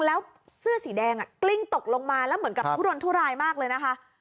ลูกศรสีแดงกลิ้งตกลงมาแล้วเหมือนกับผู้โดนทุรายมากเลยนะคะ